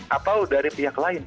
atau dari pihak lain